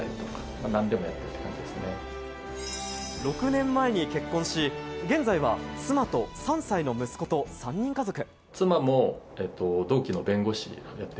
６年前に結婚し、現在は妻と３歳の息子と３人家族。